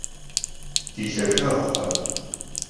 Di lhaxeğuxe!